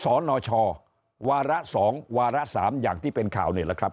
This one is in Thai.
สนชวาระ๒วาระ๓อย่างที่เป็นข่าวนี่แหละครับ